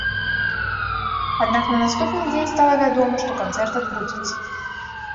Аднак на наступны дзень стала вядома, што канцэрт адбудзецца.